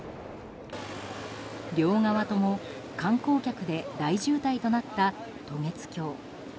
両側とも観光客で大渋滞となった渡月橋。